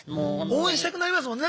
応援したくなりますもんね